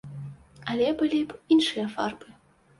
Але былі б іншыя фарбы.